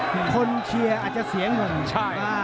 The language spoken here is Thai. เป็นเนี่ยอาจจะเสียเหลือ